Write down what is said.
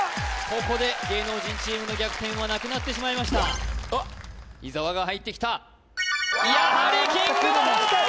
ここで芸能人チームの逆転はなくなってしまいました伊沢が入ってきたやはりキングだ！